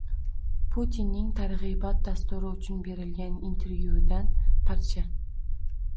Putinning targ'ibot dasturi uchun berilgan intervyudan parcha